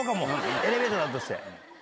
エレベーターだとして。